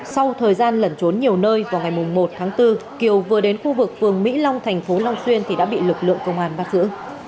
sau thời gian lẩn trốn nhiều nơi vào ngày một tháng bốn kiều vừa đến khu vực phường mỹ long thành phố long xuyên thì đã bị lực lượng công an bắt giữ